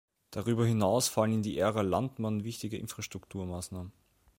Darüber hinaus fallen in die Ära Landmann wichtige Infrastrukturmaßnahmen.